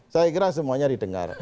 saya kira semuanya didengar